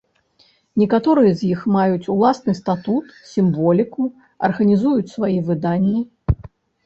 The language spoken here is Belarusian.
Некаторыя з іх маюць уласны статут, сімволіку, арганізуюць свае выданні.